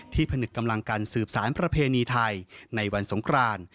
ผนึกกำลังกันสืบสารประเพณีไทยในวันสงคราน